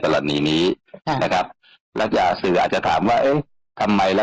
ตลอดนี้นี้นะครับรัฐยาศืออาจจะถามว่าเอ๊ะทำไมแล้ว